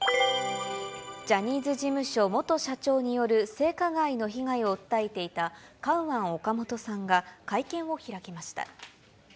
ジャニーズ事務所元社長による性加害の被害を訴えていたカウアン・オカモトさんが会見を開きました。